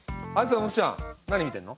豊本ちゃん何見てんの？